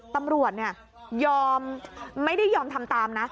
ตำรวจยอมไม่ได้ยอมทำตามนะ